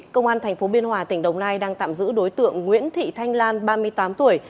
công an tp biên hòa tỉnh đồng nai đang tạm giữ đối tượng nguyễn thị thanh lan ba mươi tám tuổi